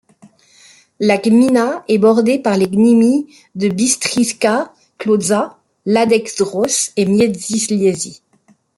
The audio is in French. La gmina est bordée par les gminy de Bystrzyca Kłodzka, Lądek-Zdrój et Międzylesie.